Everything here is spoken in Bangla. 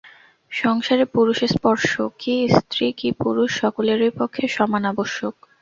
সংসারে পুরুষস্পর্শ, কী স্ত্রী, কী পুরুষ, সকলেরই পক্ষে সমান আবশ্যক।